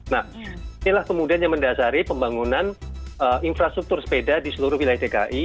nah inilah kemudian yang mendasari pembangunan infrastruktur sepeda di seluruh wilayah dki